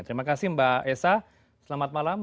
terima kasih mbak esa selamat malam